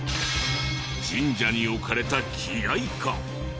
神社に置かれた機雷か？